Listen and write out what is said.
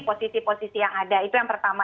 posisi posisi yang ada itu yang pertama